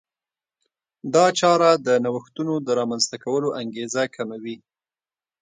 دا چاره د نوښتونو د رامنځته کولو انګېزه کموي.